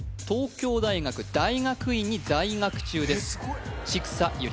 東京大学大学院に在学中です・